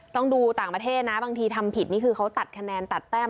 ต้องดูต่างประเทศนะบางทีทำผิดนี่คือเขาตัดคะแนนตัดแต้ม